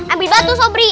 ambil batu sobri